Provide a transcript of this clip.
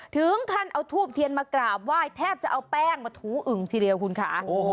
ถึงขั้นเอาทูบเทียนมากราบไหว้แทบจะเอาแป้งมาถูอึ่งทีเดียวคุณค่ะ